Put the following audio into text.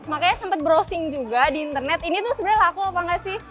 makanya sempat browsing juga di internet ini tuh sebenarnya laku apa nggak sih